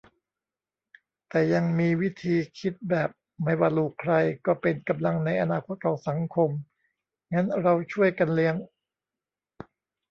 แต่ยังมีวิธีคิดแบบ ไม่ว่าลูกใคร ก็เป็นกำลังในอนาคตของสังคม งั้นเราช่วยกันเลี้ยง